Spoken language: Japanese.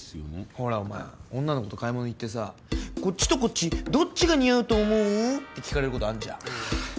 ほらお前女の子と買い物行ってさ「こっちとこっちどっちが似合うと思う？」って聞かれることあんじゃん。